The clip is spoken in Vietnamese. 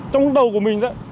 trong đầu của mình đấy